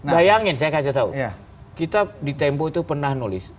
bayangin saya kasih tau kita di tembo itu pernah nulis